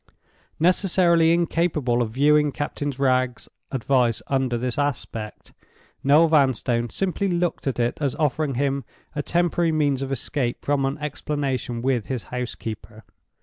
Necessarily incapable of viewing Captain Wragge's advice under this aspect, Noel Vanstone simply looked at it as offering him a temporary means of escape from an explanation with his housekeeper.